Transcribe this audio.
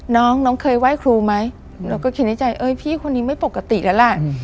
น้องน้องเคยไหว้ครูไหมหนูก็คิดในใจเอ้ยพี่คนนี้ไม่ปกติแล้วล่ะ